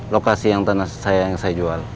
lokasi yang tanah saya jual